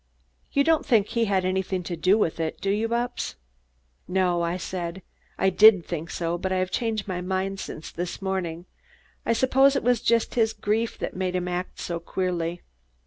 "You don't think he had anything to do with it, do you, Bupps?" "No," I said. "I did think so, but I have changed my mind since this morning. I suppose it was just his grief that made him act so queerly."